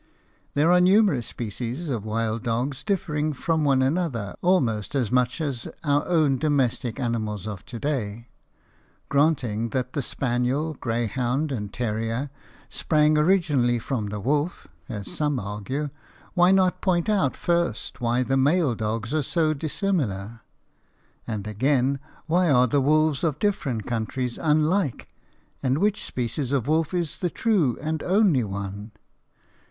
There are numerous species of wild dogs differing from one another almost as much as our own domestic animals of to day. Granting that the spaniel, greyhound, and terrier sprang originally from the wolf, as some argue, why not point out first why the male dogs are so dissimilar? And again, why are the wolves of different countries unlike, and which species of wolf is the true and only one?